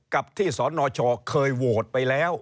กับที่สนชเคยโหวตไปแล้ว